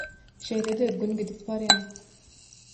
Şeýle-de Gün gidip barýa.